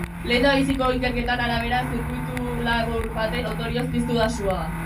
Lehendabiziko ikerketen arabera, zirkuitulabur baten ondorioz piztu da sua.